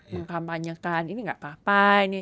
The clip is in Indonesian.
mengkampanyekan ini gak apa apa ini